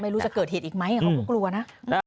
จะเกิดเหตุอีกไหมเขาก็กลัวนะ